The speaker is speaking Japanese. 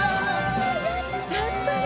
やったね！